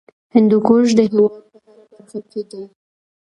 هندوکش د هېواد په هره برخه کې دی.